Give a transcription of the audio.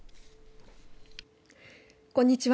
こんにちは。